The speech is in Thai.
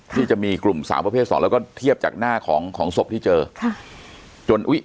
ที่จะมีกลุ่มสาวประเภทสองแล้วก็เทียบจากหน้าของของศพที่เจอค่ะจนอุ้ย